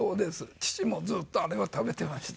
父もずっとあれを食べていました。